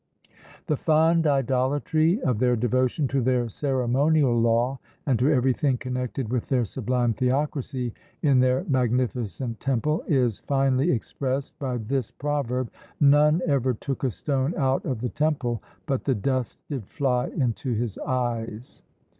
The fond idolatry of their devotion to their ceremonial law, and to everything connected with their sublime Theocracy, in their magnificent Temple, is finely expressed by this proverb "None ever took a stone out of the Temple, but the dust did fly into his eyes."